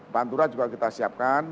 pantura juga kita siapkan